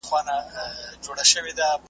قصابي وه د حقونو د نادارو ,